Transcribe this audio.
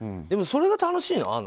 でもそれが楽しいの？